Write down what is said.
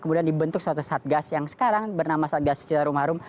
kemudian dibentuk suatu satgas yang sekarang bernama satgas citarum harum